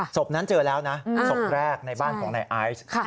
ศพนั้นเจอแล้วนะศพแรกในบ้านของนายไอซ์